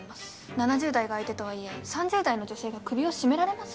７０代が相手とはいえ３０代の女性が首を絞められます？